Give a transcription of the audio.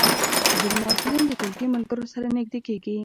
ځینې محصلین د ټولګي ملګرو سره نږدې کېږي.